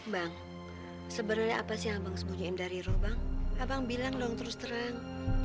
bang sebenarnya apa sih abang sembunyiin dari robang abang bilang dong terus terang